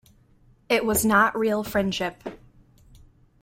It was not real friendship.